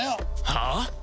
はあ？